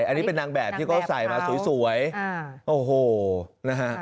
อันนี้เป็นนางแบบที่เขาใส่มาสวยโอ้โหนะฮะ